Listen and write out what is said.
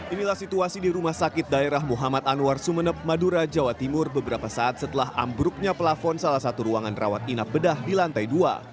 inilah situasi di rumah sakit daerah muhammad anwar sumeneb madura jawa timur beberapa saat setelah ambruknya pelafon salah satu ruangan rawat inap bedah di lantai dua